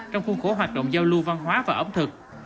trong khuôn khổ hoạt động giao lưu văn hóa và ẩm thực